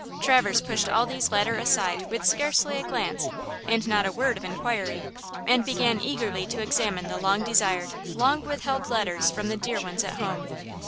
Traverse pushed all these latter aside with scarcely a glance and not a word of inquiry, and began eagerly to examine the long desired, long withheld letters from the dear ones at home.